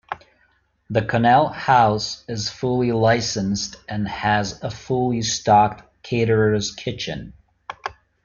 The Connell House is fully licensed and has a fully stocked caterer's kitchen.